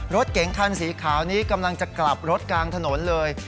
รถเก๋งคันสีขาวนี้กำลังจะกลับรถกลางถนนเลย